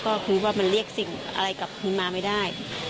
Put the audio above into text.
ก็คือว่ามันเรียกสิ่งอะไรกลับขึ้นมาไม่ได้